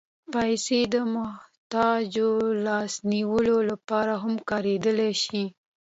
پېسې د محتاجو لاس نیولو لپاره هم کارېدای شي.